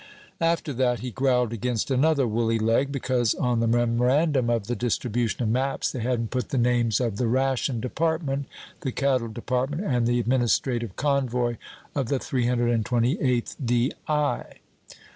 "After that, he growled against another woolly leg, because on the memorandum of the distribution of maps they hadn't put the names of the Ration Department, the Cattle Department, and the Administrative Convoy of the 328th D.I.